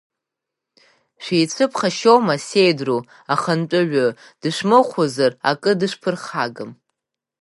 Шәицәыԥхашьома сеидру ахантәаҩы, дышәмыхәозар, акы дышәԥырхагам.